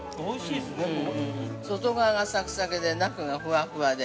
外側がサクサクで、中がふわふわで。